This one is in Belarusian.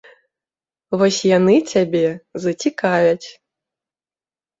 Вось яны цябе зацікавяць.